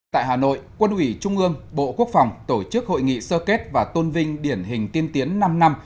tại hà nội quân ủy trung ương bộ quốc phòng tổ chức hội nghị sơ kết và tôn vinh điển hình tiên tiến năm năm